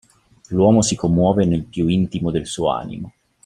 L'uomo si commuove nel più intimo del suo animo.